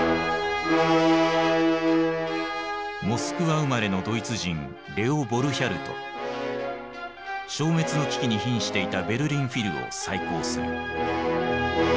モスクワ生まれのドイツ人消滅の危機にひんしていたベルリン・フィルを再興する。